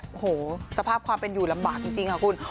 โอ้โหสภาพความเป็นอยู่ลำบากจริงค่ะคุณ